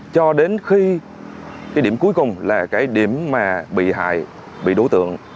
cho đến khi điểm cuối cùng là điểm bị hại bị đối tượng